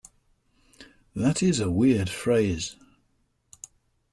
That is a weird phrase.